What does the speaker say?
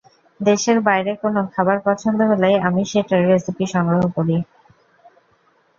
দেশের বাইরে কোনো খাবার পছন্দ হলেই আমি সেটার রেসিপি সংগ্রহ করি।